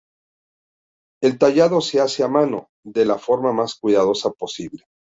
El tallado se hace a mano, de la forma más cuidadosa posible.